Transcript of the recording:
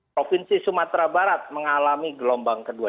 provinsi sumatera barat mengalami gelombang kedua